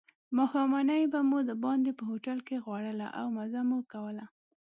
ماښامنۍ به مو دباندې په هوټل کې خوړله او مزه مو کوله.